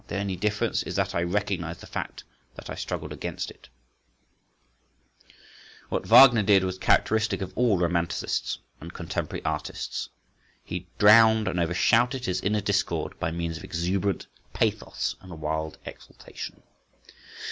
"The only difference is that I recognised the fact, that I struggled against it"(6) What Wagner did was characteristic of all romanticists and contemporary artists: he drowned and overshouted his inner discord by means of exuberant pathos and wild exaltation.